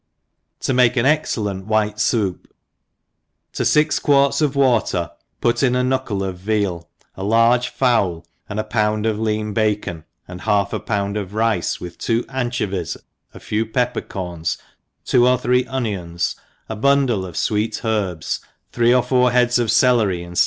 . To make an excellent White Soup, ■ TO fix quarts of water put in a Jcnuckle of veal, a large fowl, and a pound of lean bacon, and half a pound of rice, with two anchovies, a few pepper corns, two or three onions, a bundle of fweet herbs, thrf e or four heads of celery ENGLISH HOUSE KEEPER.